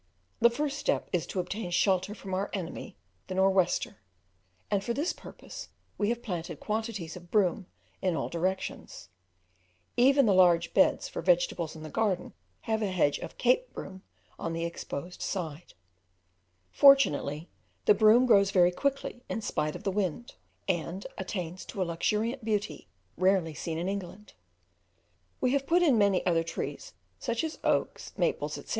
The first step is to obtain shelter from our enemy the "nor' wester," and for this purpose we have planted quantities of broom in all directions; even the large beds for vegetables in the garden have a hedge of Cape broom on the exposed side; fortunately, the broom grows very quickly in spite of the wind, and attains to a luxuriant beauty rarely seen in England. We have put in many other trees, such as oaks, maples, etc.